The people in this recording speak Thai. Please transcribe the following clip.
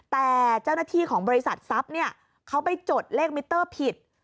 แต่เจ้าหน้าที่ของบริษัทซับเขาไปจดเลขมิเตอร์ผิด